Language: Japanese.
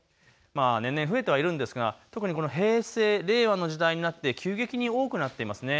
年々増えてはいるんですが特にこの平成、令和の時代になって急激に多くなっていますね。